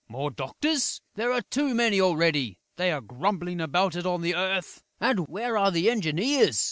More doctors?... There are too many already; they are grumbling about it on earth.... And where are the engineers?...